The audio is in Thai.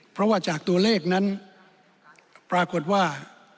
เพราะว่าจากตัวเลขนั้นปรากฏว่า